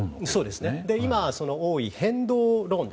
今多い、変動ローン。